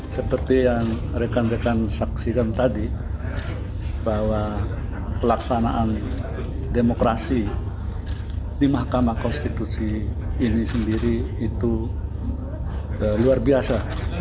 seperti yang rekan rekan saksikan tadi bahwa pelaksanaan demokrasi di mahkamah konstitusi ini sendiri itu luar biasa